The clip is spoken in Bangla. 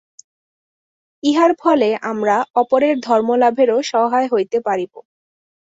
ইহার ফলে আমরা অপরের ধর্মলাভেরও সহায় হইতে পারিব।